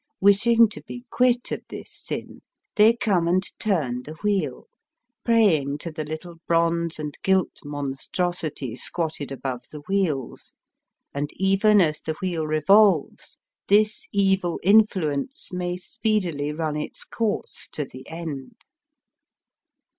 Wish ing to be quit of this sin, they come and turn the wheel, praying to the little bronze and gilt monstrosity squatted above the wheels, and even as the wheel revolves this evil influence may speedily run its course to the end.